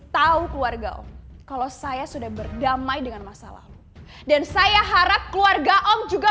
tahu keluarga om kalau saya sudah berdamai dengan masa lalu dan saya harap keluarga om juga